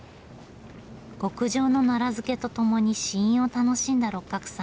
極上のなら漬とともに試飲を楽しんだ六角さん。